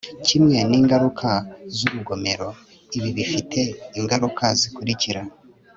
kimwe n'ingaruka z'urugomero, ibi bifite ingaruka zikurikira